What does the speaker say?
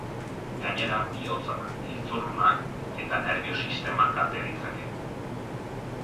Gainera, bihotza, giltzurrunak eta nerbio-sistema kalte ditzake.